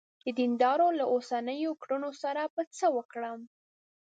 د دیندارانو له اوسنیو کړنو سره به څه وکړې.